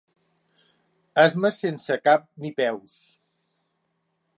Asmes sense cap ni peus.